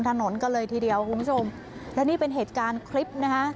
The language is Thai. ถนนกันเลยทีเดียวคุณผู้ชมและนี่เป็นเหตุการณ์คลิปนะคะ